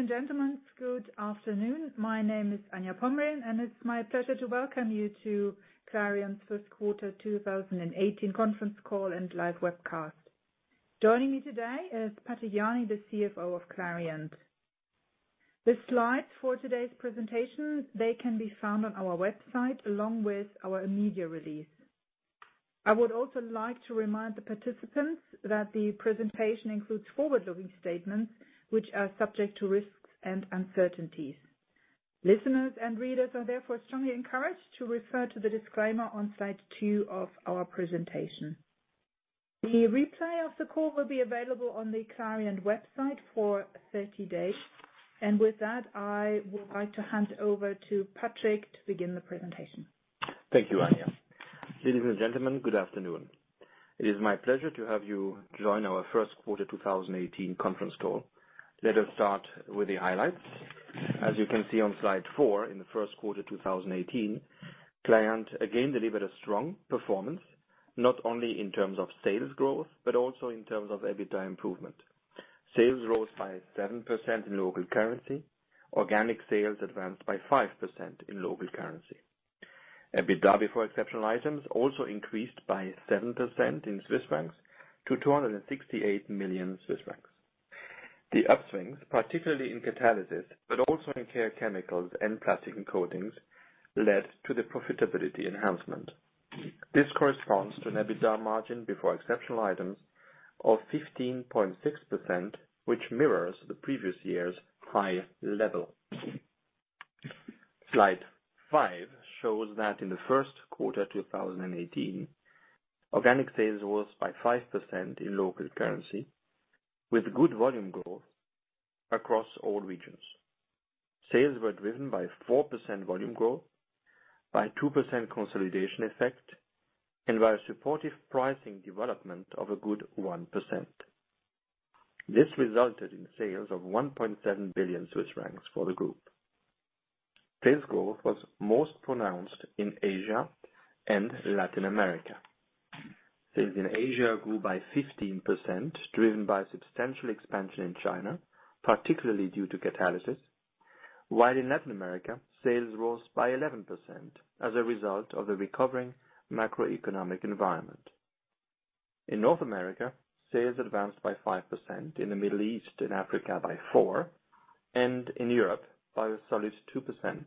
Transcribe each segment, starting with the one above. Ladies and gentlemen, good afternoon. My name is Anja Pomrehn, and it is my pleasure to welcome you to Clariant's first quarter 2018 conference call and live webcast. Joining me today is Patrick Jany, the CFO of Clariant. The slides for today's presentation, they can be found on our website along with our media release. I would also like to remind the participants that the presentation includes forward-looking statements, which are subject to risks and uncertainties. Listeners and readers are therefore strongly encouraged to refer to the disclaimer on slide two of our presentation. The replay of the call will be available on the Clariant website for 30 days. With that, I would like to hand over to Patrick to begin the presentation. Thank you, Anja. Ladies and gentlemen, good afternoon. It is my pleasure to have you join our first quarter 2018 conference call. Let us start with the highlights. As you can see on slide four, in the first quarter 2018, Clariant again delivered a strong performance, not only in terms of sales growth, but also in terms of EBITDA improvement. Sales rose by 7% in local currency. Organic sales advanced by 5% in local currency. EBITDA before exceptional items also increased by 7% in CHF to 268 million Swiss francs. The upswings, particularly in Catalysis, but also in Care Chemicals and Plastics & Coatings, led to the profitability enhancement. This corresponds to an EBITDA margin before exceptional items of 15.6%, which mirrors the previous year's high level. Slide five shows that in the first quarter 2018, organic sales rose by 5% in local currency with good volume growth across all regions. Sales were driven by 4% volume growth, by 2% consolidation effect, and by a supportive pricing development of a good 1%. This resulted in sales of 1.7 billion Swiss francs for the group. Sales growth was most pronounced in Asia and Latin America. Sales in Asia grew by 15%, driven by substantial expansion in China, particularly due to Catalysis, while in Latin America, sales rose by 11% as a result of the recovering macroeconomic environment. In North America, sales advanced by 5%, in the Middle East and Africa by 4%, and in Europe by a solid 2%,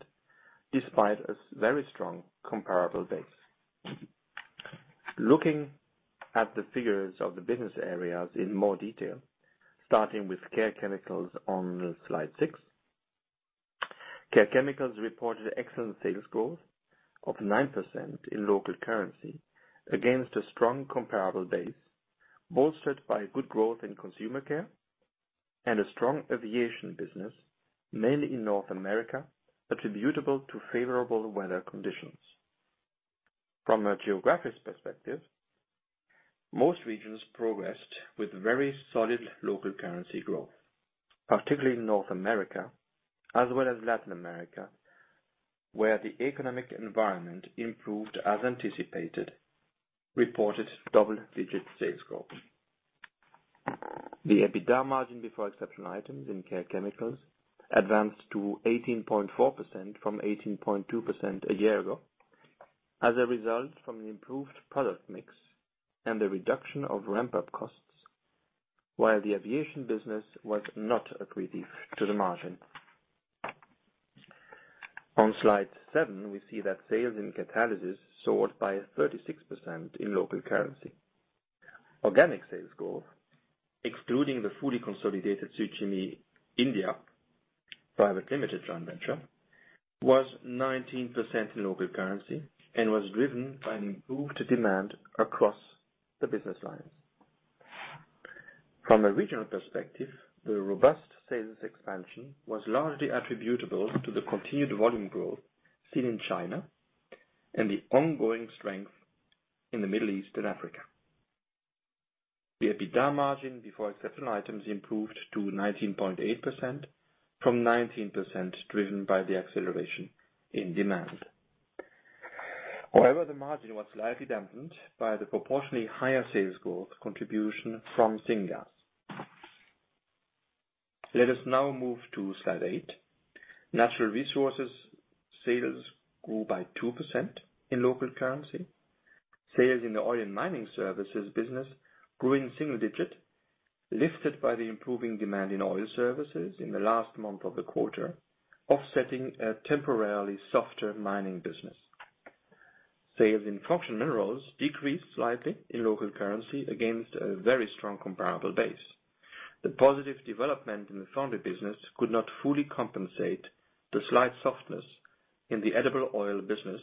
despite a very strong comparable base. Looking at the figures of the business areas in more detail, starting with Care Chemicals on slide six. Care Chemicals reported excellent sales growth of 9% in local currency against a strong comparable base, bolstered by good growth in Consumer Care and a strong Aviation business, mainly in North America, attributable to favorable weather conditions. From a geographic perspective, most regions progressed with very solid local currency growth, particularly North America, as well as Latin America, where the economic environment improved as anticipated, reported double-digit sales growth. The EBITDA margin before exceptional items in Care Chemicals advanced to 18.4% from 18.2% a year ago as a result from an improved product mix and a reduction of ramp-up costs, while the Aviation business was not accretive to the margin. On slide seven, we see that sales in Catalysis soared by 36% in local currency. Organic sales growth, excluding the fully consolidated Süd-Chemie India Pvt. Ltd. joint venture, was 19% in local currency and was driven by an improved demand across the business lines. From a regional perspective, the robust sales expansion was largely attributable to the continued volume growth seen in China and the ongoing strength in the Middle East and Africa. The EBITDA margin before exceptional items improved to 19.8% from 19%, driven by the acceleration in demand. However, the margin was slightly dampened by the proportionally higher sales growth contribution from syngas. Let us now move to slide eight. Natural Resources sales grew by 2% in local currency. Sales in the Oil and Mining Services business grew in single digit, lifted by the improving demand in oil services in the last month of the quarter, offsetting a temporarily softer mining business. Sales in Functional Minerals decreased slightly in local currency against a very strong comparable base. The positive development in the foundry business could not fully compensate the slight softness in the edible oil business,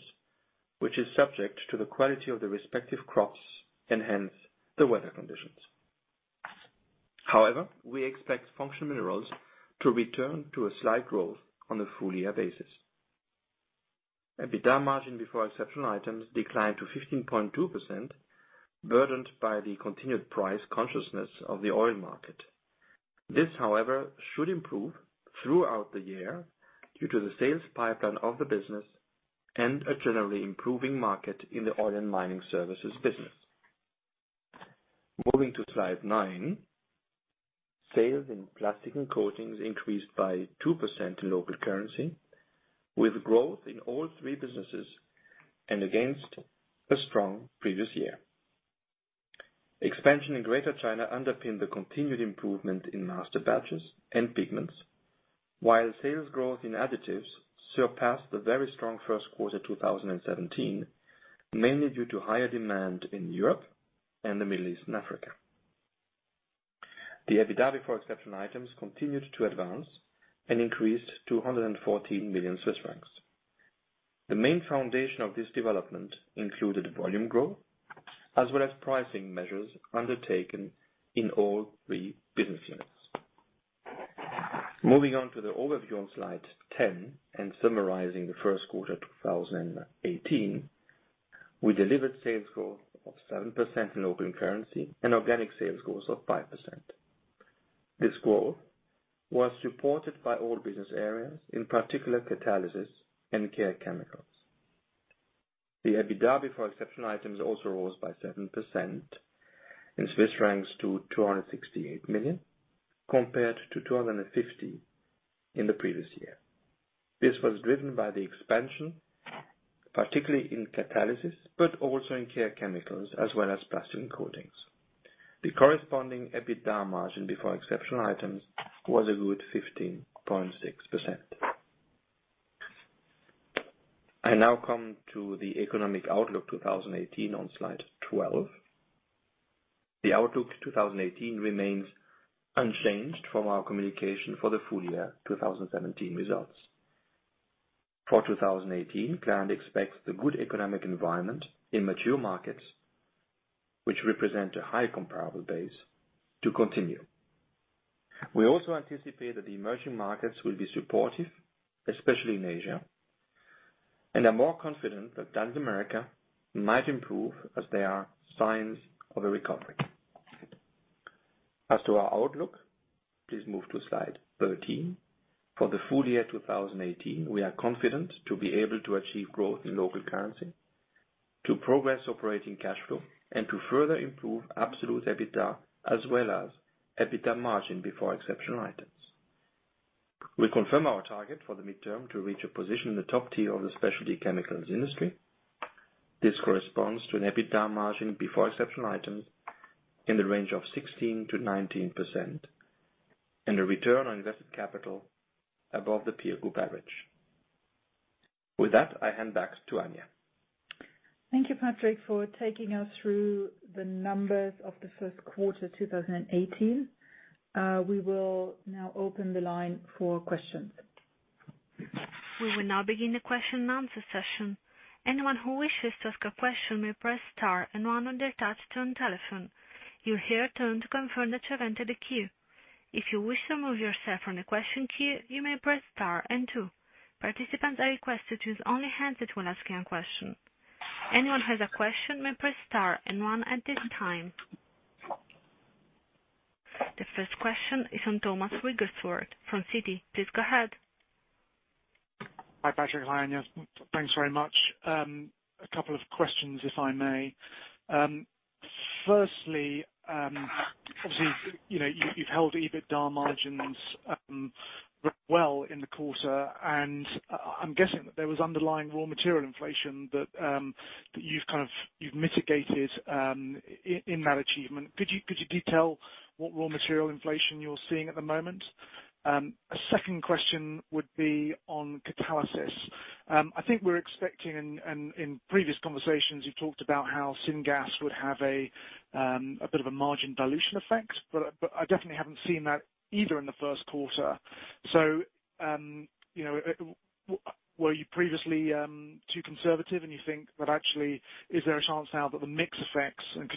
which is subject to the quality of the respective crops and hence the weather conditions. However, we expect Functional Minerals to return to a slight growth on a full year basis. EBITDA margin before exceptional items declined to 15.2%, burdened by the continued price consciousness of the oil market. This, however, should improve throughout the year due to the sales pipeline of the business and a generally improving market in the Oil and Mining Services business. Moving to slide nine, sales in Plastics & Coatings increased by 2% in local currency, with growth in all three businesses and against a strong previous year. Expansion in Greater China underpinned the continued improvement in Masterbatches and Pigments, while sales growth in Additives surpassed the very strong first quarter 2017, mainly due to higher demand in Europe and the Middle East and Africa. The EBITDA before exceptional items continued to advance and increased to 114 million Swiss francs. The main foundation of this development included volume growth as well as pricing measures undertaken in all three business units. Moving on to the overview on slide 10 and summarizing the first quarter 2018. We delivered sales growth of 7% in local currency and organic sales growth of 5%. This growth was supported by all business areas, in particular Catalysis and Care Chemicals. The EBITDA before exceptional items also rose by 7% in CHF to 268 million Swiss francs, compared to 250 in the previous year. This was driven by the expansion, particularly in Catalysis, but also in Care Chemicals as well as Plastics & Coatings. The corresponding EBITDA margin before exceptional items was a good 15.6%. I now come to the economic outlook 2018 on slide 12. The outlook 2018 remains unchanged from our communication for the full year 2017 results. For 2018, Clariant expects the good economic environment in mature markets, which represent a high comparable base to continue. We also anticipate that the emerging markets will be supportive, especially in Asia, and are more confident that Latin America might improve as there are signs of a recovery. As to our outlook, please move to slide 13. For the full year 2018, we are confident to be able to achieve growth in local currency, to progress operating cash flow and to further improve absolute EBITDA as well as EBITDA margin before exceptional items. We confirm our target for the midterm to reach a position in the top tier of the specialty chemicals industry. This corresponds to an EBITDA margin before exceptional items in the range of 16%-19% and a return on invested capital above the peer group average. With that, I hand back to Anja. Thank you, Patrick, for taking us through the numbers of the first quarter 2018. We will now open the line for questions. We will now begin the question and answer session. Anyone who wishes to ask a question may press star and one on their touch-tone telephone. You'll hear a tone to confirm that you have entered the queue. If you wish to remove yourself from the question queue, you may press star and two. Participants are requested to use only hands that will ask a question. Anyone who has a question may press star and one at this time. The first question is from Thomas Wrigglesworth from Citi. Please go ahead. Hi, Patrick. Hi, Anja. Thanks very much. A couple of questions, if I may. Firstly, obviously, you've held EBITDA margins, well in the quarter, and I'm guessing that there was underlying raw material inflation that you've mitigated, in that achievement. Could you detail what raw material inflation you're seeing at the moment? A second question would be on Catalysis. I think we're expecting, and in previous conversations, you talked about how syngas would have a bit of a margin dilution effect, but I definitely haven't seen that either in the first quarter. Were you previously too conservative and you think that actually is there a chance now that the mix effects, and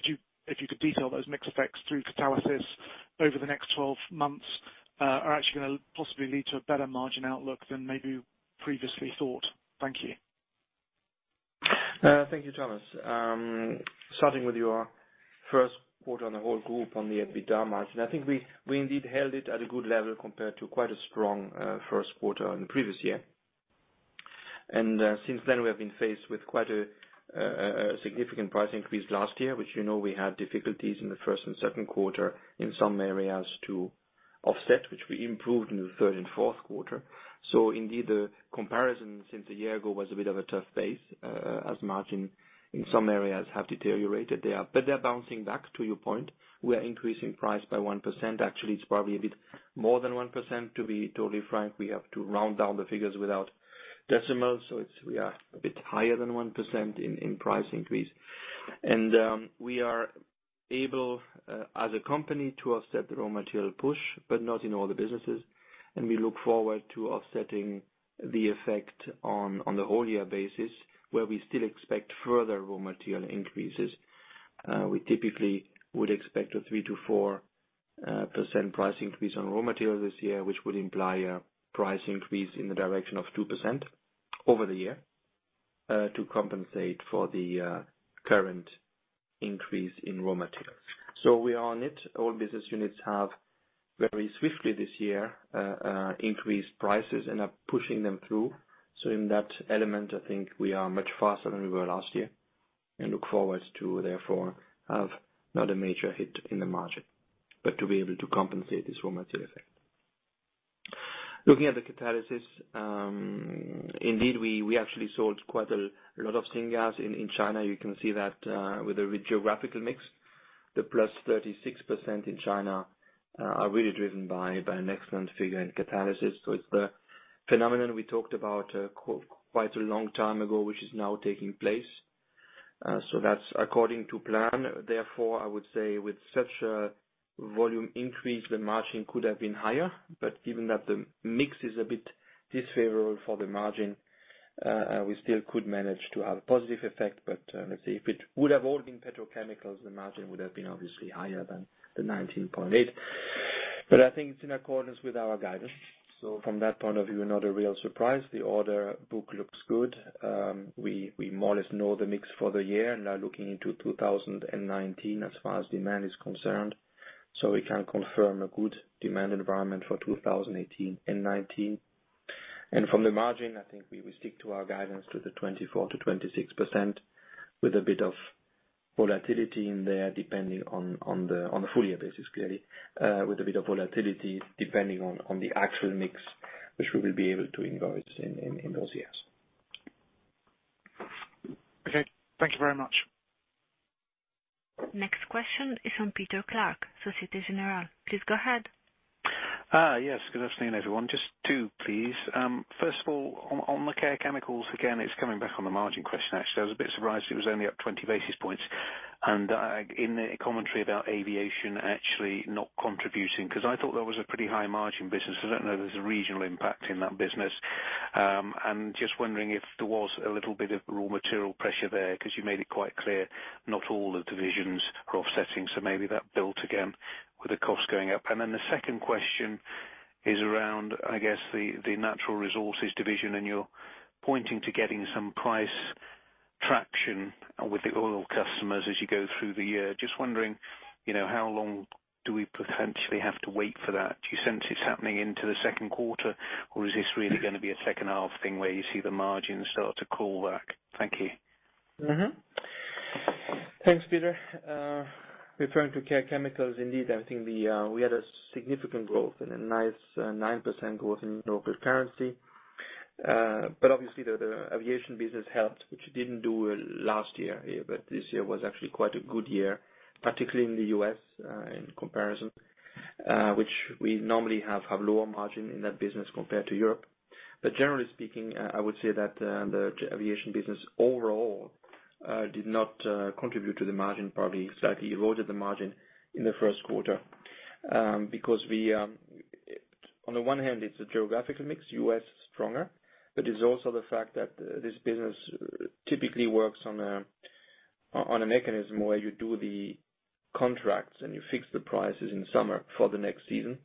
if you could detail those mix effects through Catalysis over the next 12 months, are actually going to possibly lead to a better margin outlook than maybe previously thought? Thank you. Thank you, Thomas. Starting with your first quarter on the whole group on the EBITDA margin. We indeed held it at a good level compared to quite a strong first quarter in the previous year. Since then, we have been faced with quite a significant price increase last year, which you know we had difficulties in the first and second quarter in some areas to offset, which we improved in the third and fourth quarter. Indeed, the comparison since a year ago was a bit of a tough base, as margin in some areas have deteriorated there. They're bouncing back to your point. We are increasing price by 1%. It's probably a bit more than 1% to be totally frank. We have to round down the figures without decimals. We are a bit higher than 1% in price increase. We are able, as a company, to offset the raw material push, but not in all the businesses, and we look forward to offsetting the effect on the whole year basis where we still expect further raw material increases. We typically would expect a 3%-4% price increase on raw material this year, which would imply a price increase in the direction of 2% over the year, to compensate for the current increase in raw materials. We are on it. All business units have very swiftly this year, increased prices and are pushing them through. In that element, we are much faster than we were last year and look forward to therefore have not a major hit in the margin, but to be able to compensate this raw material effect. Looking at the Catalysis, indeed we sold quite a lot of syngas in China. You can see that with the geographical mix, the +36% in China are really driven by an excellent figure in Catalysis. It's the phenomenon we talked about quite a long time ago, which is now taking place. That's according to plan. With such a volume increase, the margin could have been higher, but given that the mix is a bit unfavorable for the margin, we still could manage to have a positive effect. Let's say, if it would have all been petrochemicals, the margin would have been obviously higher than the 19.8. It's in accordance with our guidance. From that point of view, not a real surprise. The order book looks good. We more or less know the mix for the year and are looking into 2019 as far as demand is concerned. We can confirm a good demand environment for 2018 and 2019. From the margin, we will stick to our guidance to the 24%-26% with a bit of volatility in there, depending on the full year basis clearly, with a bit of volatility depending on the actual mix, which we will be able to invoice in those years. Okay. Thank you very much. Next question is from Peter Clark, Societe Generale. Please go ahead. Yes, good afternoon, everyone. Just two, please. First of all, on the Care Chemicals, again, it's coming back on the margin question actually. I was a bit surprised it was only up 20 basis points and in the commentary about aviation actually not contributing, because I thought that was a pretty high margin business. I don't know if there's a regional impact in that business. I'm just wondering if there was a little bit of raw material pressure there, because you made it quite clear not all the divisions are offsetting, so maybe that built again with the cost going up. The second question is around, I guess the Natural Resources division, and you're pointing to getting some price traction with the oil customers as you go through the year. Just wondering, how long do we potentially have to wait for that? Do you sense it's happening into the second quarter, or is this really going to be a second half thing where you see the margins start to call work? Thank you. Thanks, Peter. Referring to Care Chemicals, indeed, I think we had a significant growth and a nice 9% growth in local currency. Obviously the aviation business helped, which it didn't do last year. This year was actually quite a good year, particularly in the U.S. in comparison, which we normally have lower margin in that business compared to Europe. Generally speaking, I would say that the aviation business overall did not contribute to the margin, probably slightly eroded the margin in Q1. On the one hand it's a geographical mix, U.S. stronger, but it's also the fact that this business typically works on a mechanism where you do the contracts and you fix the prices in summer for the next season,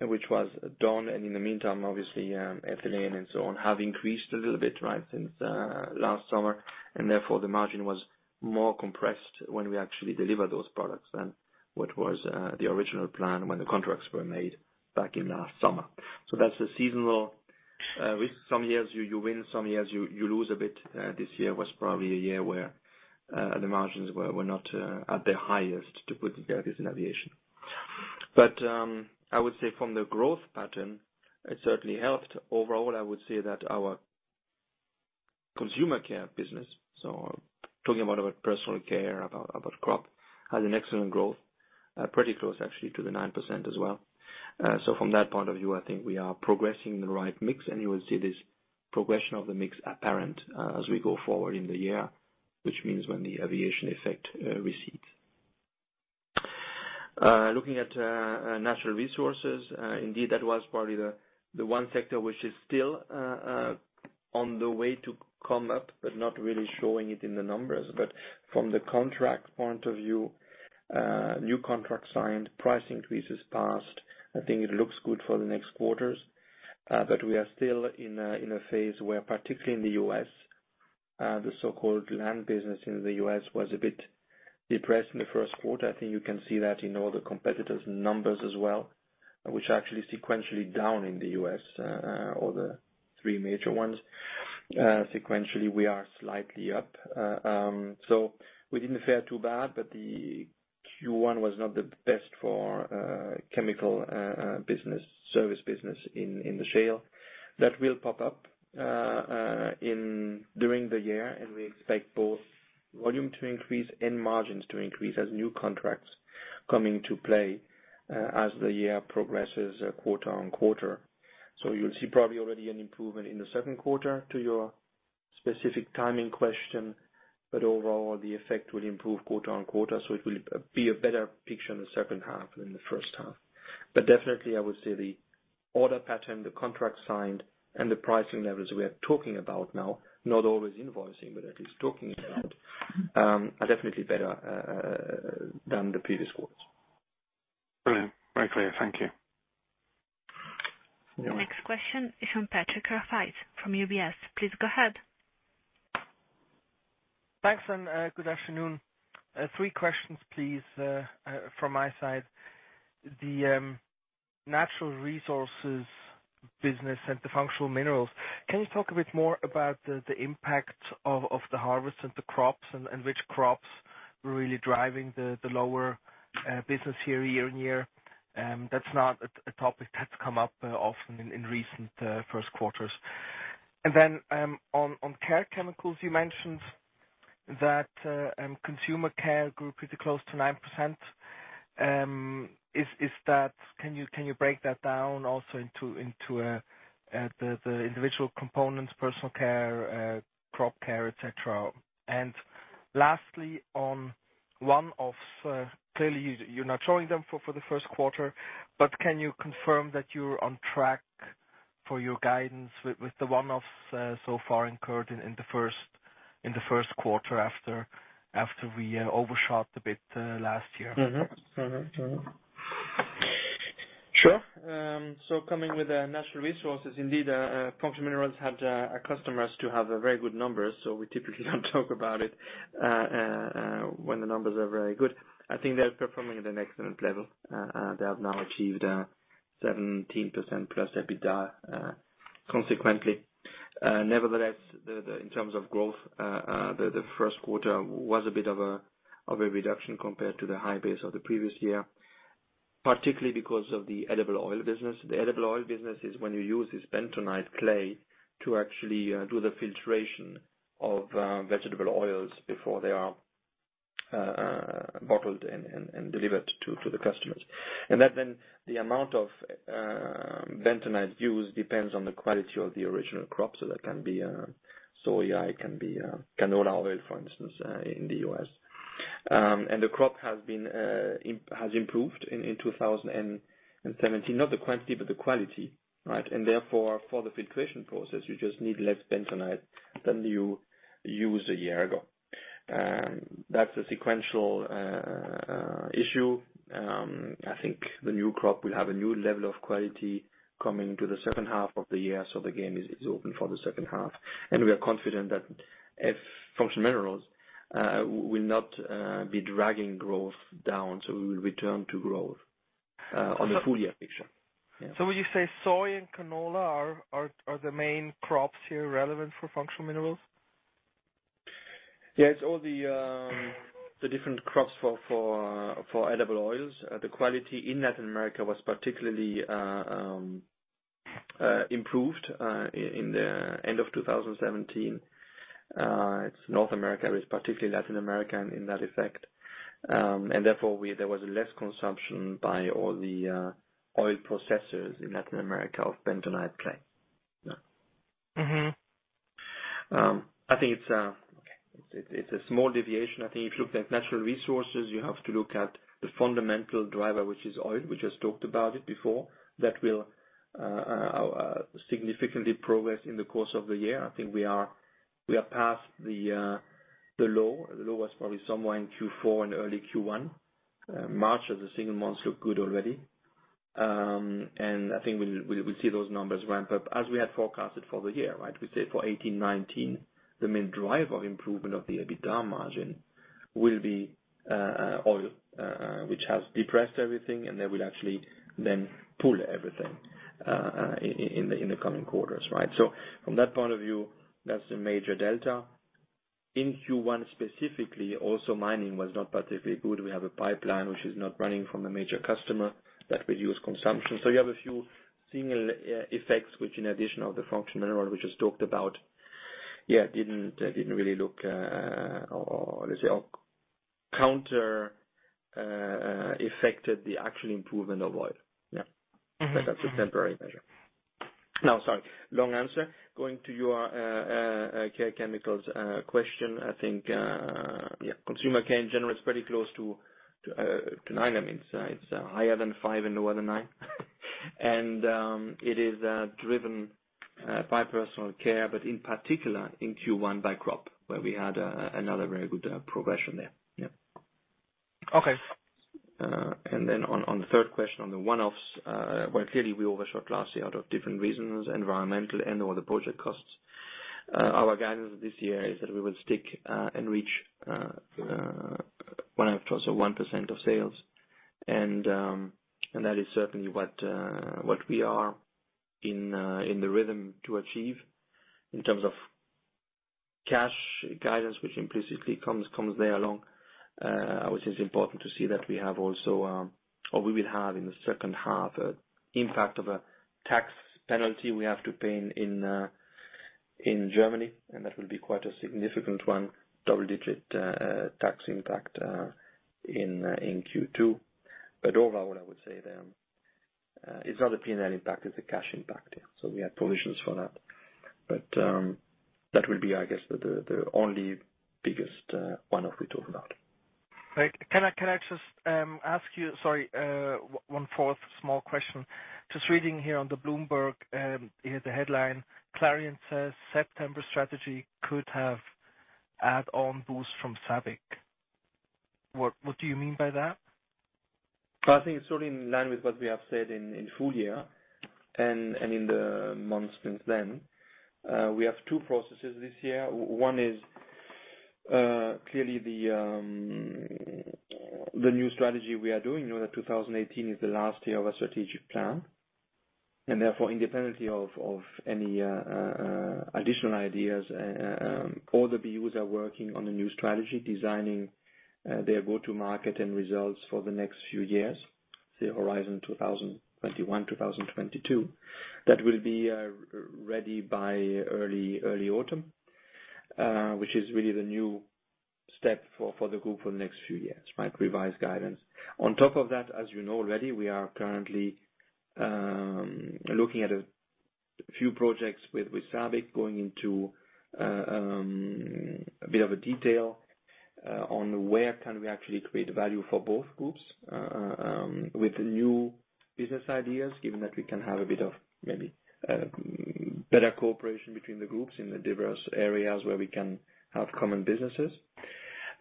which was done and in the meantime, obviously, ethylene and so on have increased a little bit since last summer, and therefore the margin was more compressed when we actually deliver those products than what was the original plan when the contracts were made back in last summer. That's a seasonal. With some years you win, some years you lose a bit. This year was probably a year where the margins were not at their highest to put it there, this in aviation. I would say from the growth pattern, it certainly helped. Overall, I would say that our Consumer Care business, talking about Personal Care, about Crop Solutions, has an excellent growth, pretty close actually to the 9% as well. From that point of view, I think we are progressing the right mix, and you will see this progression of the mix apparent as we go forward in the year, which means when the aviation effect recedes. Looking at Natural Resources, indeed that was probably the one sector which is still on the way to come up but not really showing it in the numbers. From the contract point of view, new contract signed, price increases passed. I think it looks good for the next quarters. We are still in a phase where particularly in the U.S., the so-called land business in the U.S. was a bit depressed in Q1. I think you can see that in all the competitors' numbers as well, which are actually sequentially down in the U.S., all the three major ones. Sequentially, we are slightly up. We didn't fare too bad, but the Q1 was not the best for chemical business, service business in the shale. That will pop up during the year, and we expect both volume to increase and margins to increase as new contracts coming to play as the year progresses quarter on quarter. You'll see probably already an improvement in Q2 to your specific timing question, but overall the effect will improve quarter on quarter, so it will be a better picture in the second half than the first half. Definitely I would say the order pattern, the contract signed, and the pricing levels we are talking about now, not always invoicing, but at least talking about, are definitely better than the previous quarters. Brilliant. Very clear. Thank you. You're welcome. Next question is from Patrick Rafaisz from UBS. Please go ahead. Thanks. Good afternoon. Three questions please from my side. The Natural Resources business and the Functional Minerals. Can you talk a bit more about the impact of the harvest of the crops and which crops were really driving the lower business here year-over-year? That's not a topic that's come up often in recent first quarters. On Care Chemicals, you mentioned that Consumer Care grew pretty close to 9%. Can you break that down also into the individual components, Personal Care, Crop Solutions, et cetera? Lastly, on one-offs. Clearly, you're not showing them for the first quarter, but can you confirm that you're on track for your guidance with the one-offs so far incurred in the first quarter after we overshot a bit last year? Sure. Coming with Natural Resources, indeed, Functional Minerals had our customers to have very good numbers, so we typically don't talk about it when the numbers are very good. I think they're performing at an excellent level. They have now achieved 17%+ EBITDA consequently. Nevertheless, in terms of growth, the first quarter was a bit of a reduction compared to the high base of the previous year. Particularly because of the edible oil business. The edible oil business is when you use this bentonite clay to actually do the filtration of vegetable oils before they are bottled and delivered to the customers. The amount of bentonite used depends on the quality of the original crop. That can be soy, it can be canola oil, for instance, in the U.S. The crop has improved in 2017, not the quantity, but the quality. Right? Therefore, for the filtration process, you just need less bentonite than you used a year ago. That's a sequential issue. I think the new crop will have a new level of quality coming to the second half of the year, so the game is open for the second half. We are confident that Functional Minerals will not be dragging growth down, so we will return to growth on the full year picture. Would you say soy and canola are the main crops here relevant for Functional Minerals? Yes, all the different crops for edible oils. The quality in Latin America was particularly improved in the end of 2017. It's North America with particularly Latin America in that effect. Therefore, there was less consumption by all the oil processors in Latin America of bentonite clay. I think it's a small deviation. I think if you look at Natural Resources, you have to look at the fundamental driver, which is oil. We just talked about it before. That will significantly progress in the course of the year. I think we are past the low. The low was probably somewhere in Q4 and early Q1. March as a single month looked good already. I think we'll see those numbers ramp up as we had forecasted for the year, right? We said for 2018, 2019, the main driver of improvement of the EBITDA margin will be oil which has depressed everything and that will actually then pull everything in the coming quarters. Right? From that point of view, that's a major delta. In Q1 specifically, also mining was not particularly good. We have a pipeline which is not running from a major customer that will use consumption. You have a few single effects which in addition of the Functional Minerals we just talked about, didn't really look or let's say, counter-affected the actual improvement of oil. Yeah. That's a temporary measure. Now, sorry, long answer. Going to your Care Chemicals question, I think Consumer Care in general is pretty close to nine. It's higher than five and lower than nine. It is driven by Personal Care, but in particular in Q1 by Crop, where we had another very good progression there. Yep. Okay. On the third question on the one-offs, clearly we overshot last year out of different reasons, environmental and/or the project costs. Our guidance this year is that we will stick and reach 1.0% of sales. That is certainly what we are in the rhythm to achieve in terms of cash guidance, which implicitly comes there along, which is important to see that we have also or we will have in the second half impact of a tax penalty we have to pay in Germany, and that will be quite a significant one, double-digit tax impact in Q2. Overall, I would say it's not a P&L impact, it's a cash impact. We have provisions for that. That will be, I guess, the only biggest one-off we talk about. Great. Can I just ask you, sorry, one fourth small question. Just reading here on the Bloomberg, the headline, Clariant says September strategy could have add-on boost from SABIC. What do you mean by that? I think it's totally in line with what we have said in full year and in the months since then. We have two processes this year. One is clearly the new strategy we are doing. You know that 2018 is the last year of our strategic plan, therefore, independently of any additional ideas, all the BUs are working on a new strategy, designing their go-to-market and results for the next few years, say, horizon 2021, 2022. That will be ready by early autumn, which is really the new step for the group for the next few years, revised guidance. On top of that, as you know already, we are currently looking at a few projects with SABIC, going into a bit of a detail on where can we actually create value for both groups with new business ideas, given that we can have a bit of maybe better cooperation between the groups in the diverse areas where we can have common businesses.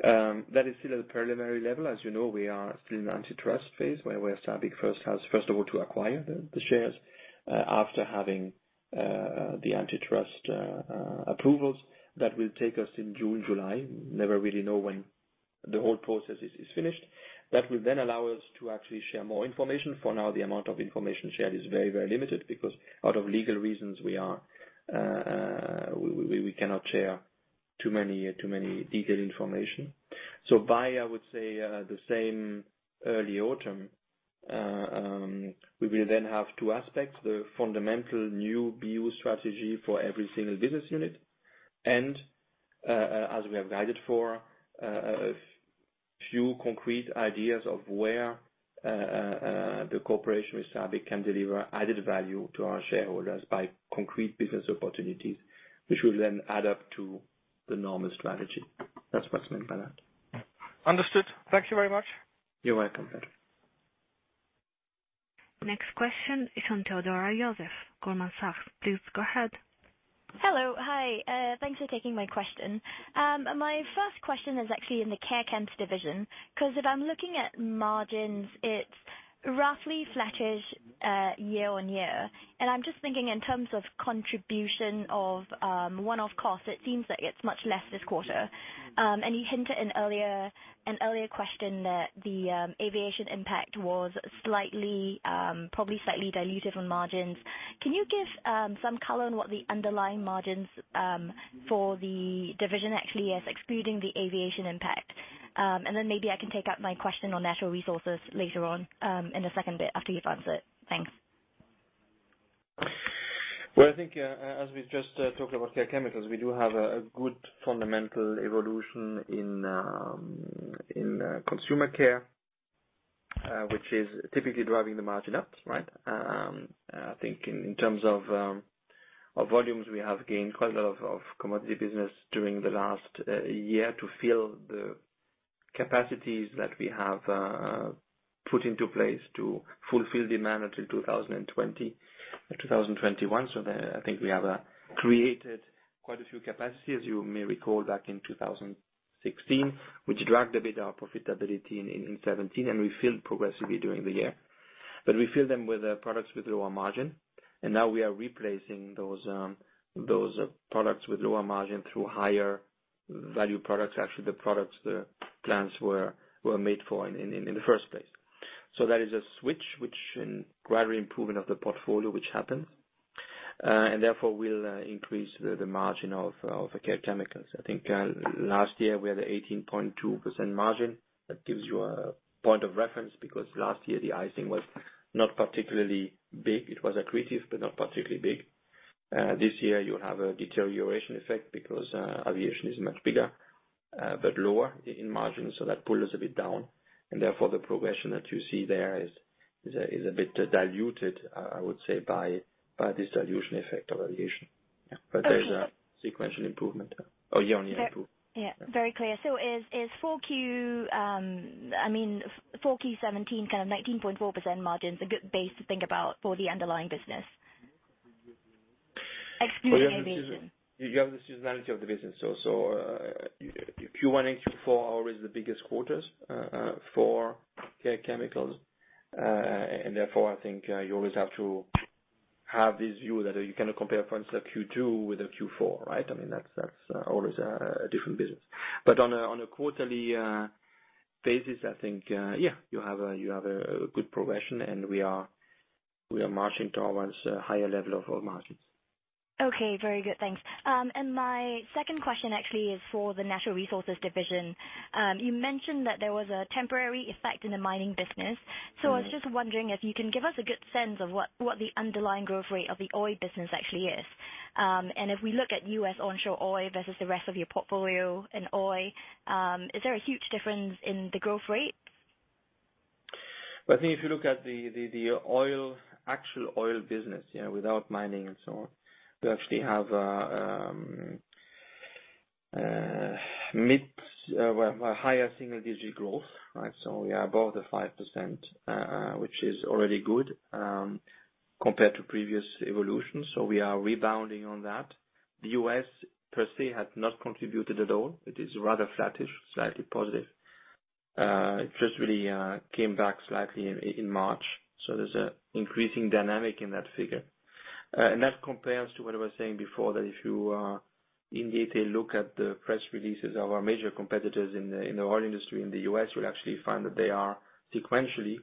That is still at the preliminary level. As you know, we are still in the antitrust phase, where SABIC has, first of all, to acquire the shares after having the antitrust approvals. That will take us in June, July. Never really know when the whole process is finished. That will then allow us to actually share more information. For now, the amount of information shared is very limited, because out of legal reasons we cannot share too many detailed information. By, I would say, the same early autumn, we will then have two aspects, the fundamental new BU strategy for every single business unit. As we have guided for, a few concrete ideas of where the cooperation with SABIC can deliver added value to our shareholders by concrete business opportunities, which will then add up to the normal strategy. That's what's meant by that. Understood. Thank you very much. You're welcome. Next question is on Theodora Joseph, Goldman Sachs. Please go ahead. Hello. Hi. Thanks for taking my question. My first question is actually in the Care Chemicals division, because if I'm looking at margins, it's roughly flattish year-on-year. I'm just thinking in terms of contribution of one-off costs, it seems like it's much less this quarter. You hinted in an earlier question that the aviation impact was probably slightly dilutive on margins. Can you give some color on what the underlying margins for the division actually is, excluding the aviation impact? Maybe I can take up my question on Natural Resources later on in the second bit after you've answered. Thanks. I think, as we just talked about Care Chemicals, we do have a good fundamental evolution in Consumer Care, which is typically driving the margin up. I think in terms of volumes, we have gained quite a lot of commodity business during the last year to fill the capacities that we have put into place to fulfill demand until 2020, 2021. I think we have created quite a few capacities, as you may recall, back in 2016, which dragged a bit our profitability in 2017, and we filled progressively during the year. We filled them with products with lower margin, and now we are replacing those products with lower margin through higher value products. Actually, the products the plants were made for in the first place. That is a switch, which in gradual improvement of the portfolio, which happens, and therefore will increase the margin of Care Chemicals. I think last year we had an 18.2% margin. That gives you a point of reference, because last year the deicing was not particularly big. It was accretive, but not particularly big. This year, you have a deterioration effect because aviation is much bigger, but lower in margin, so that pulled us a bit down. The progression that you see there is a bit diluted, I would say, by this dilution effect of aviation. Okay. There's a sequential improvement or year-on-year improvement. Is 4Q17, kind of 19.4% margin, is a good base to think about for the underlying business? Excluding Aviation. You have the seasonality of the business. Q1 and Q4 are always the biggest quarters for Care Chemicals. Therefore, I think you always have to have this view that you cannot compare, for instance, a Q2 with a Q4, right? I mean, that's always a different business. On a quarterly basis, I think, yeah, you have a good progression, and we are marching towards a higher level of our margins. Okay. Very good. Thanks. My second question actually is for the Natural Resources division. You mentioned that there was a temporary effect in the mining business. I was just wondering if you can give us a good sense of what the underlying growth rate of the oil business actually is. If we look at U.S. onshore oil versus the rest of your portfolio in oil, is there a huge difference in the growth rate? I think if you look at the actual oil business, without mining and so on, we actually have higher single-digit growth. We are above the 5%, which is already good compared to previous evolution. We are rebounding on that. The U.S. per se has not contributed at all. It is rather flattish, slightly positive. It just really came back slightly in March. There's an increasing dynamic in that figure. That compares to what I was saying before, that if you indeed take a look at the press releases of our major competitors in the oil industry in the U.S., you'll actually find that they are sequentially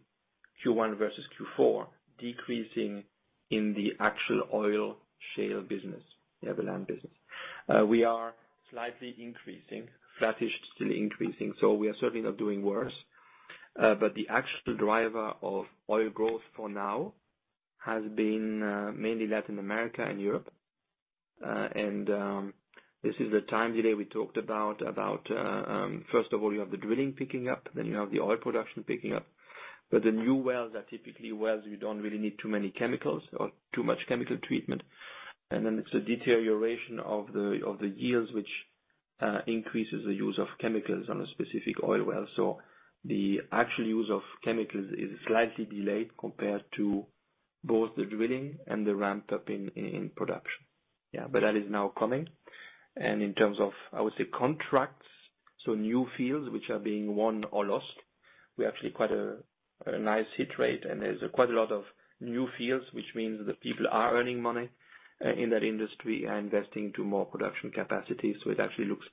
Q1 versus Q4 decreasing in the actual oil shale business. They have a land business. We are slightly increasing. Flattish, still increasing. We are certainly not doing worse. The actual driver of oil growth for now has been mainly Latin America and Europe. This is the time delay we talked about. First of all, you have the drilling picking up, you have the oil production picking up. The new wells are typically wells you don't really need too many chemicals or too much chemical treatment. It's the deterioration of the years which increases the use of chemicals on a specific oil well. The actual use of chemicals is slightly delayed compared to both the drilling and the ramp-up in production. That is now coming. In terms of, I would say, contracts, new fields which are being won or lost, we actually quite a nice hit rate. There's quite a lot of new fields, which means the people are earning money in that industry and investing to more production capacity. It actually looks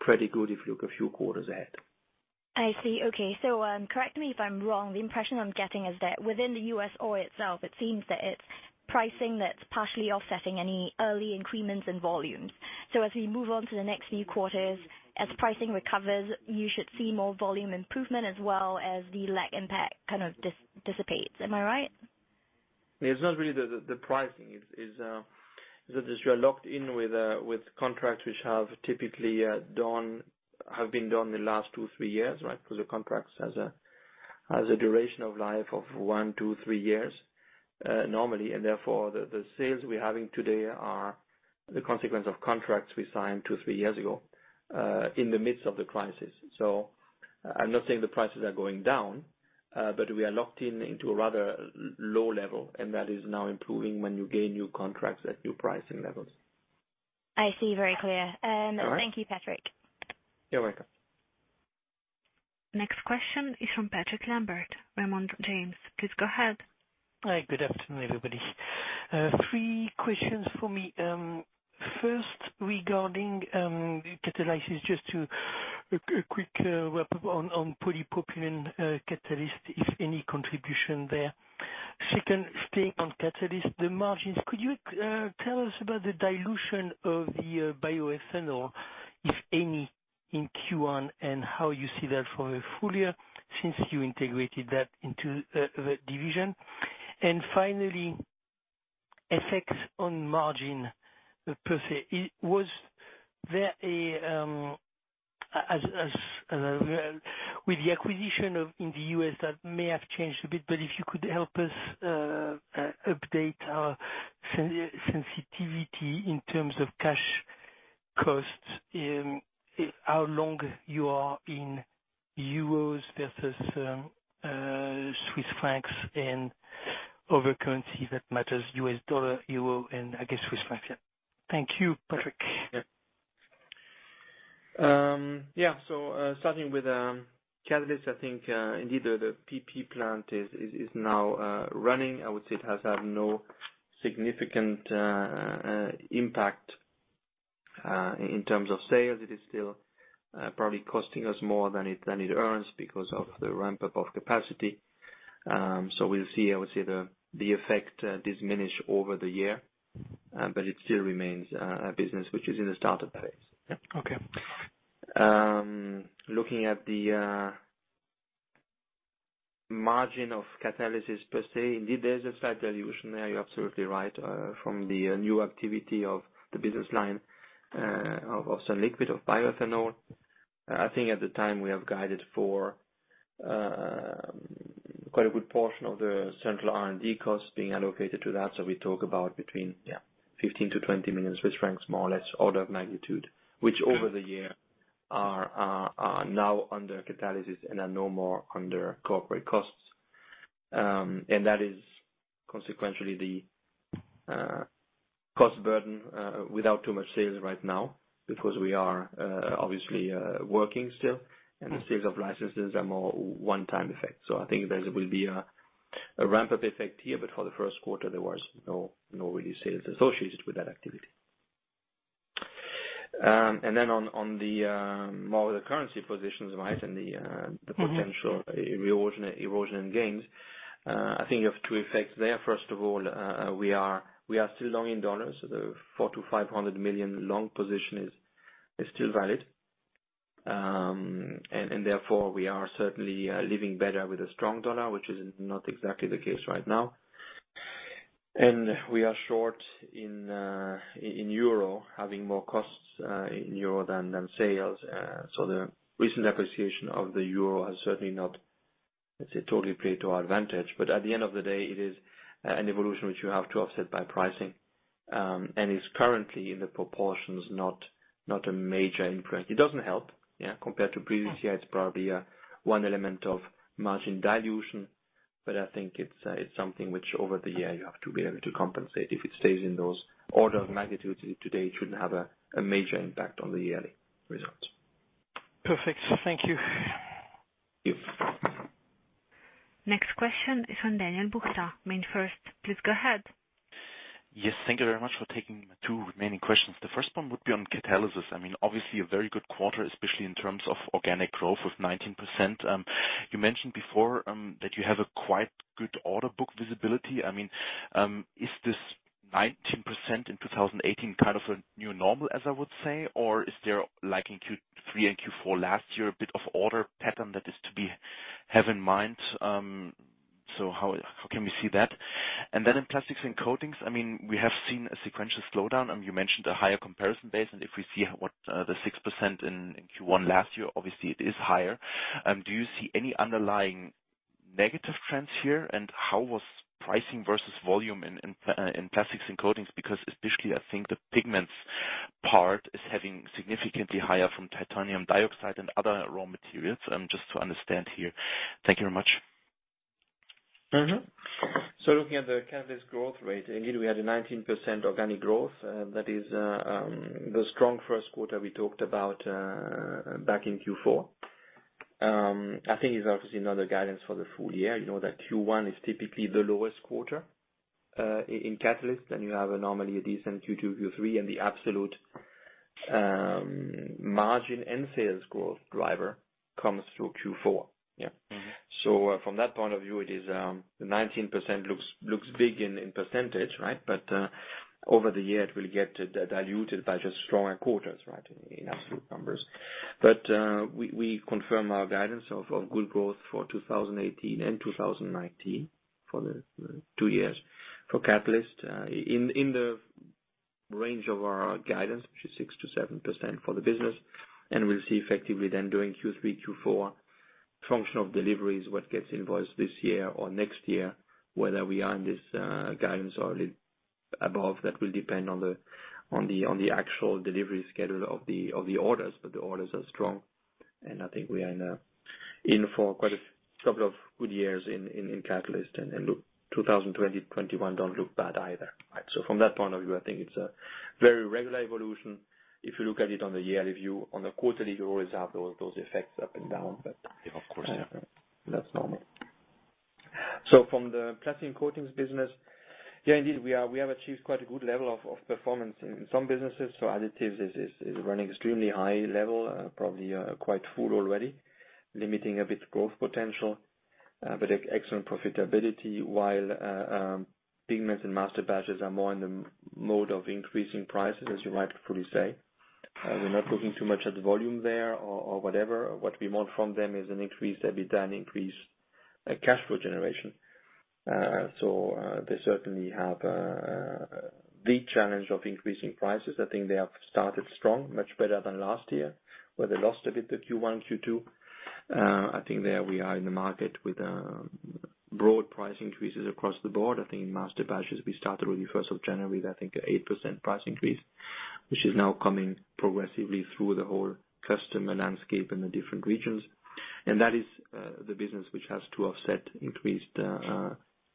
pretty good if you look a few quarters ahead. I see. Okay. Correct me if I'm wrong. The impression I'm getting is that within the U.S. oil itself, it seems that it's pricing that's partially offsetting any early increments in volumes. As we move on to the next few quarters, as pricing recovers, you should see more volume improvement as well as the lag impact kind of dissipates. Am I right? It's not really the pricing. It's that you are locked in with contracts which have been done the last two, three years. Because the contracts has a duration of life of one, two, three years, normally. Therefore, the sales we're having today are the consequence of contracts we signed two, three years ago, in the midst of the crisis. I'm not saying the prices are going down, but we are locked in into a rather low level, and that is now improving when you gain new contracts at new pricing levels. I see. Very clear. All right. Thank you, Patrick. You're welcome. Next question is from Patrick Lambert, Raymond James. Please go ahead. Hi, good afternoon, everybody. Three questions for me. First, regarding Catalysis, just to a quick wrap-up on polypropylene catalyst, if any contribution there. Second, staying on catalyst, the margins. Could you tell us about the dilution of the bioethanol, if any, in Q1, and how you see that for a full year since you integrated that into the division? Finally, effects on margin per se. With the acquisition of in the U.S., that may have changed a bit, but if you could help us update our sensitivity in terms of cash costs, how long you are in euros versus Swiss francs and other currency that matters, US dollar, euro, and I guess Swiss franc. Thank you, Patrick. Yeah. Starting with catalyst, I think, indeed, the PP plant is now running. I would say it has had no significant impact in terms of sales. It is still probably costing us more than it earns because of the ramp-up of capacity. We'll see. I would say the effect diminish over the year. It still remains a business which is in the startup phase. Yeah, okay. Looking at the margin of Catalysis per se, indeed, there's a slight dilution there, you're absolutely right, from the new activity of the business line of sunliquid of bioethanol. I think at the time we have guided for quite a good portion of the central R&D cost being allocated to that. We talk about between- Yeah 15 million-20 million Swiss francs, more or less, order of magnitude. Which over the year are now under Catalysis and are no more under corporate costs. That is consequentially the cost burden without too much sales right now, because we are obviously working still, and the sales of licenses are more one-time effect. I think there will be a ramp-up effect here, but for the first quarter, there was no really sales associated with that activity. On the more the currency positions, right, and the potential erosion and gains, I think you have two effects there. First of all, we are still long in USD. The $400 million-$500 million long position is still valid. Therefore, we are certainly living better with a strong USD, which is not exactly the case right now. We are short in EUR, having more costs in EUR than sales. The recent appreciation of the EUR has certainly not, let's say, totally played to our advantage. But at the end of the day, it is an evolution which you have to offset by pricing. It's currently in the proportions, not a major imprint. It doesn't help compared to previous year. It's probably one element of margin dilution. But I think it's something which over the year you have to be able to compensate. If it stays in those order of magnitudes today, it shouldn't have a major impact on the yearly results. Perfect. Thank you. Yeah. Next question is from Daniel Buchta, MainFirst. Please go ahead. Yes, thank you very much for taking my two remaining questions. The first one would be on catalysts. Obviously, a very good quarter, especially in terms of organic growth of 19%. You mentioned before, that you have a quite good order book visibility. Is this 19% in 2018 kind of a new normal, as I would say? Or is there, like in Q3 and Q4 last year, a bit of order pattern that is to be have in mind? How can we see that? Then in Plastics & Coatings, we have seen a sequential slowdown. You mentioned a higher comparison base, and if we see what the 6% in Q1 last year, obviously it is higher. Do you see any underlying negative trends here? How was pricing versus volume in Plastics & Coatings? Especially, I think the Pigments part is having significantly higher from titanium dioxide and other raw materials. Just to understand here. Thank you very much. Looking at the Catalysis growth rate, indeed we had a 19% organic growth. That is the strong first quarter we talked about back in Q4. I think it is obviously not a guidance for the full year. You know that Q1 is typically the lowest quarter, in Catalysis, then you have a normally a decent Q2, Q3, and the absolute margin and sales growth driver comes through Q4. From that point of view, the 19% looks big in percentage, right? Over the year, it will get diluted by just stronger quarters, right, in absolute numbers. We confirm our guidance of good growth for 2018 and 2019, for the two years. For Catalysis, in the range of our guidance, which is 6%-7% for the business. We will see effectively then during Q3, Q4, function of deliveries, what gets invoiced this year or next year, whether we are in this guidance or a little above, that will depend on the actual delivery schedule of the orders. The orders are strong, and I think we are in for quite a couple of good years in Catalysis. Look, 2020, 2021 don't look bad either. From that point of view, I think it is a very regular evolution. If you look at it on the yearly view, on the quarterly, you always have those effects up and down. Of course. that's normal. From the Plastics & Coatings business, indeed, we have achieved quite a good level of performance in some businesses. Additives is running extremely high level, probably quite full already, limiting a bit growth potential, but excellent profitability while Pigments and Masterbatches are more in the mode of increasing prices, as you rightfully say. We're not looking too much at the volume there or whatever. What we want from them is an increase EBITDA and increase cash flow generation. They certainly have a big challenge of increasing prices. I think they have started strong, much better than last year, where they lost a bit the Q1, Q2. I think there we are in the market with broad price increases across the board. I think in Masterbatches, we started really 1st of January with, I think, a 8% price increase, which is now coming progressively through the whole customer landscape in the different regions. That is the business which has to offset increased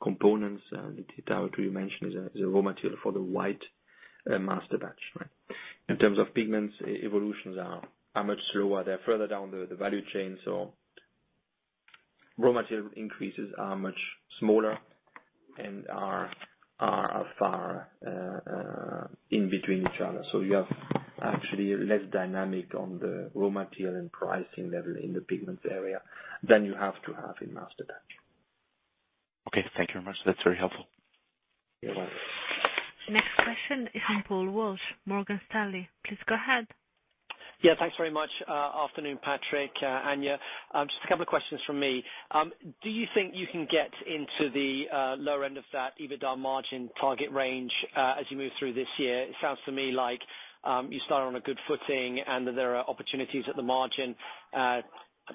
components. The titanium you mentioned is a raw material for the white Masterbatch. In terms of Pigments, evolutions are much slower. They're further down the value chain, raw material increases are much smaller and are far in between each other. You have actually less dynamic on the raw material and pricing level in the Pigments area than you have to have in Masterbatch. Okay. Thank you very much. That's very helpful. You're welcome. Next question is from Paul Walsh, Morgan Stanley. Please go ahead. Yeah. Thanks very much. Afternoon, Patrick, Anja. Just a couple of questions from me. Do you think you can get into the lower end of that EBITDA margin target range as you move through this year? It sounds to me like you started on a good footing and that there are opportunities at the margin--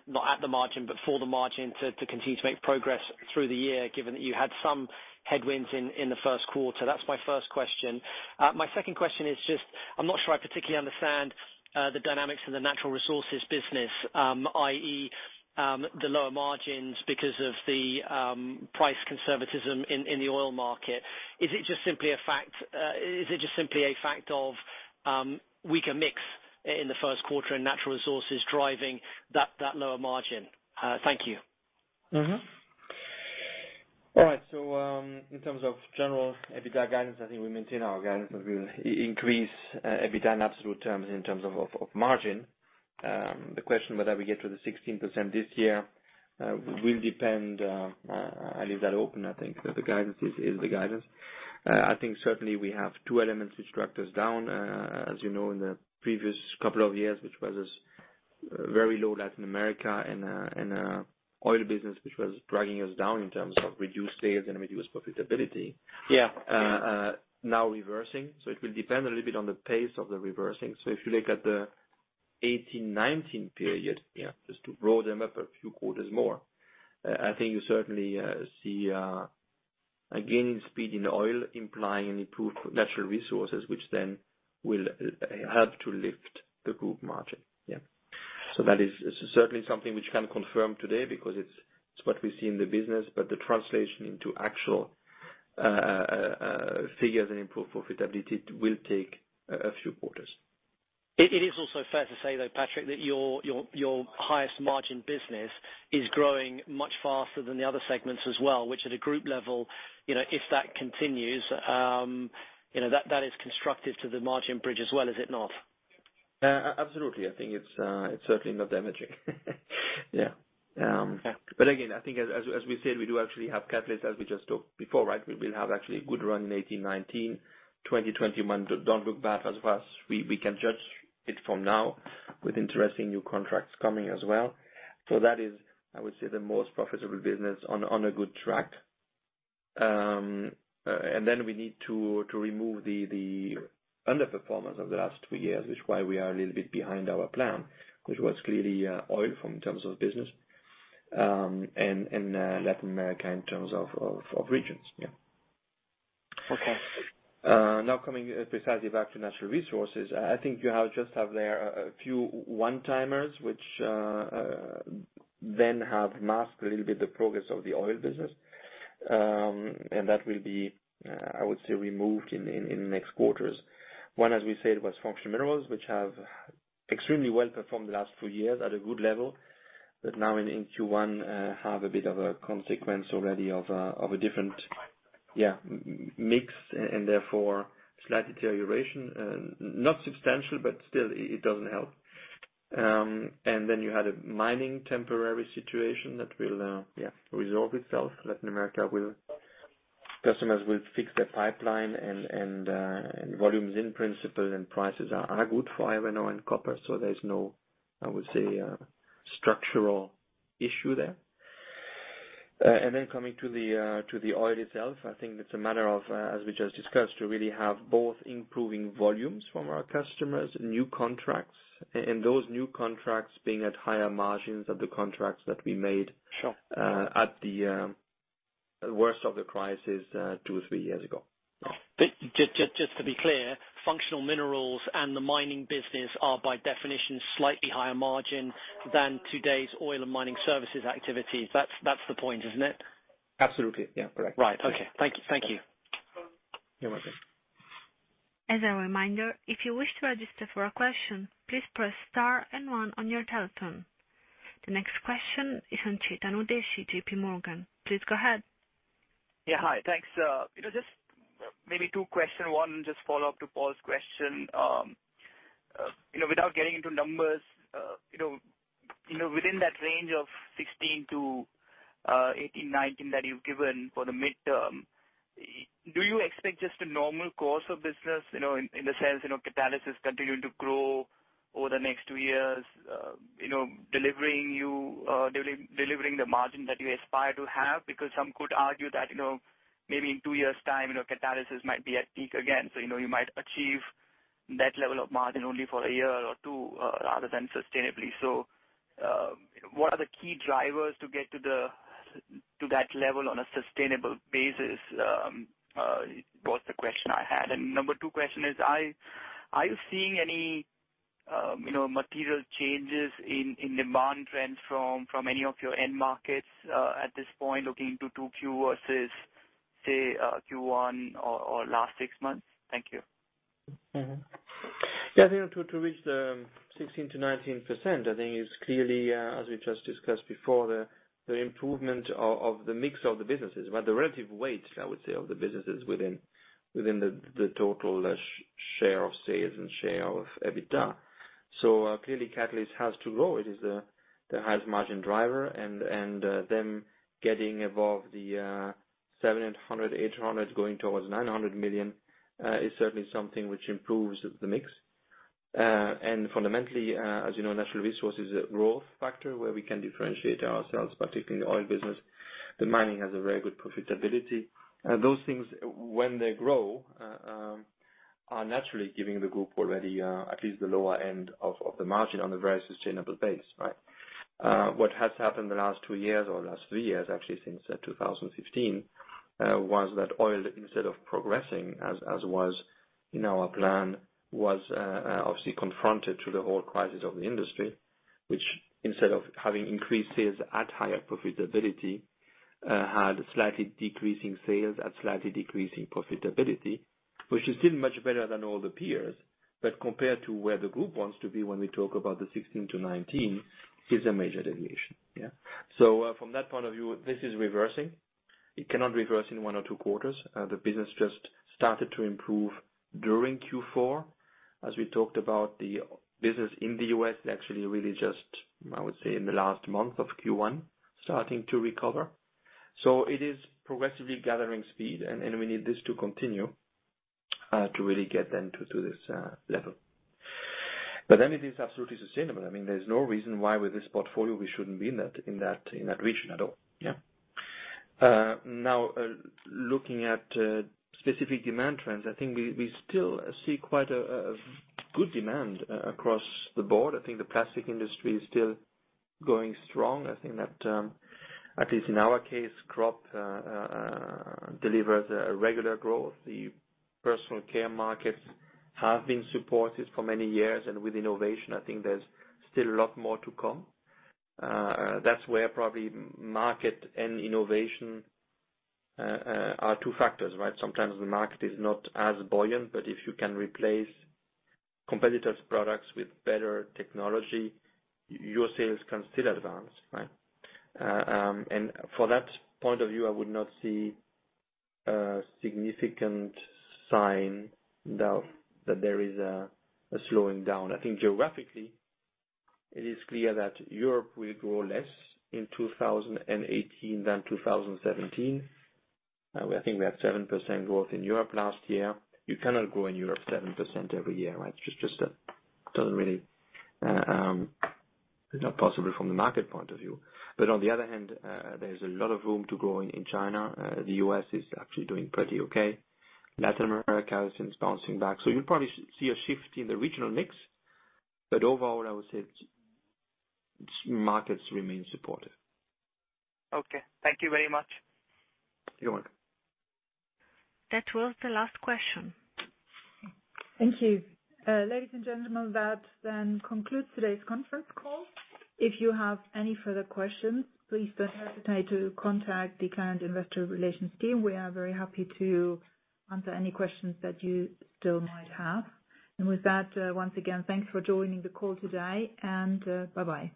not at the margin, but for the margin to continue to make progress through the year, given that you had some headwinds in the first quarter. That is my first question. My second question is just, I am not sure I particularly understand the dynamics of the Natural Resources business, i.e., the lower margins because of the price conservatism in the oil market. Is it just simply a fact of weaker mix in the first quarter in Natural Resources driving that lower margin? Thank you. All right. In terms of general EBITDA guidance, I think we maintain our guidance that we will increase EBITDA in absolute terms in terms of margin. The question whether we get to the 16% this year will depend, I leave that open, I think. The guidance is the guidance. I think certainly we have two elements which dragged us down. As you know, in the previous couple of years, which was very low Latin America and oil business, which was dragging us down in terms of reduced sales and reduced profitability. Yeah. Now reversing. It will depend a little bit on the pace of the reversing. If you look at the 2018, 2019 period Yeah Just to roll them up a few quarters more, I think you certainly see a gain in speed in oil implying an improved Natural Resources, which then will help to lift the group margin. That is certainly something which we can confirm today because it is what we see in the business, but the translation into actual figures and improved profitability will take a few quarters. It is also fair to say, though, Patrick, that your highest margin business is growing much faster than the other segments as well, which at a group level, if that continues, that is constructive to the margin bridge as well, is it not? Absolutely. I think it is certainly not damaging. Again, I think as we said, we do actually have catalysts, as we just talked before. We will have actually a good run in 2018, 2019. 2020 do not look bad as of us. We can judge it from now with interesting new contracts coming as well. That is, I would say, the most profitable business on a good track. Then we need to remove the underperformance of the last two years, which is why we are a little bit behind our plan, which was clearly oil in terms of business, and Latin America in terms of regions. Okay. Coming precisely back to Natural Resources, I think you just have there a few one-timers, which then have masked a little bit the progress of the oil business. That will be, I would say, removed in the next quarters. One, as we said, was Functional Minerals, which have extremely well-performed the last two years at a good level. Now in Q1, have a bit of a consequence already of a different mix and therefore slight deterioration. Not substantial, but still, it does not help. Then you had a mining temporary situation that will resolve itself. Latin America customers will fix their pipeline and volumes in principle and prices are good for iron ore and copper, there is no, I would say, structural issue there. Coming to the oil itself, I think it's a matter of, as we just discussed, to really have both improving volumes from our customers, new contracts, and those new contracts being at higher margins of the contracts that we made. Sure at the worst of the crisis two, three years ago. Just to be clear, Functional Minerals and the mining business are by definition slightly higher margin than today's Oil and Mining Services activities. That's the point, isn't it? Absolutely. Yeah, correct. Right. Okay. Thank you. You're welcome. As a reminder, if you wish to register for a question, please press star and one on your telephone. The next question is from Chetan Udeshi, JPMorgan. Please go ahead. Yeah. Hi. Thanks. Just maybe two question, one just follow up to Paul's question. Without getting into numbers, within that range of 16%-18%, 19% that you've given for the midterm, do you expect just a normal course of business, in the sense, Catalysis continuing to grow over the next 2 years, delivering the margin that you aspire to have? Because some could argue that maybe in 2 years' time, Catalysis might be at peak again. So you might achieve that level of margin only for a year or 2 rather than sustainably. What are the key drivers to get to that level on a sustainable basis? Was the question I had. Number 2 question is, are you seeing any material changes in demand trends from any of your end markets at this point, looking into 2Q versus, say, Q1 or last 6 months? Thank you. To reach the 16%-19%, I think is clearly, as we just discussed before, the improvement of the mix of the businesses, but the relative weight, I would say, of the businesses within the total share of sales and share of EBITDA. Clearly, Catalysis has to grow. It is the highest margin driver and then getting above 700 million, 800 million, going towards 900 million is certainly something which improves the mix. Fundamentally, as you know, Natural Resources is a growth factor where we can differentiate ourselves, particularly in the oil business. The mining has a very good profitability. Those things, when they grow, are naturally giving the group already at least the lower end of the margin on a very sustainable base. What has happened the last two years or last three years, actually since 2015, was that oil, instead of progressing as was in our plan, was obviously confronted to the whole crisis of the industry, which instead of having increases at higher profitability had slightly decreasing sales at slightly decreasing profitability, which is still much better than all the peers, but compared to where the group wants to be when we talk about the 16%-19%, is a major deviation. From that point of view, this is reversing. It cannot reverse in one or two quarters. The business just started to improve during Q4. As we talked about the business in the U.S., actually really just, I would say, in the last month of Q1, starting to recover. It is progressively gathering speed, and we need this to continue to really get then to this level. It is absolutely sustainable. There's no reason why with this portfolio we shouldn't be in that region at all. Looking at specific demand trends, I think we still see quite a good demand across the board. I think the plastic industry is still going strong. I think that, at least in our case, Crop Solutions delivers a regular growth. The Personal Care markets have been supported for many years, and with innovation, I think there's still a lot more to come. That's where probably market and innovation are two factors, right? Sometimes the market is not as buoyant, but if you can replace competitors' products with better technology, your sales can still advance, right? For that point of view, I would not see a significant sign that there is a slowing down. I think geographically, it is clear that Europe will grow less in 2018 than 2017. I think we have 7% growth in Europe last year. You cannot grow in Europe 7% every year, right? It's not possible from the market point of view. On the other hand, there's a lot of room to grow in China. The U.S. is actually doing pretty okay. Latin America is bouncing back. You'll probably see a shift in the regional mix. Overall, I would say markets remain supportive. Okay. Thank you very much. You're welcome. That was the last question. Thank you. Ladies and gentlemen, that then concludes today's conference call. If you have any further questions, please don't hesitate to contact the Clariant investor relations team. We are very happy to answer any questions that you still might have. With that, once again, thanks for joining the call today, and bye-bye.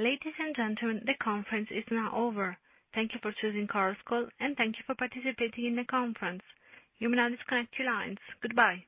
Ladies and gentlemen, the conference is now over. Thank you for choosing Chorus Call, and thank you for participating in the conference. You may now disconnect your lines. Goodbye.